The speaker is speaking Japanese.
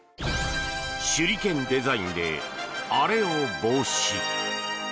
手裏剣デザインであれを防止。